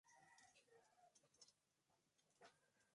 Aeropuerto, Av.